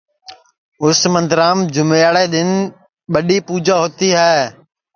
اُس مندرام جومیاڑے دؔن ٻڈؔی پُوجا ہوتی ہے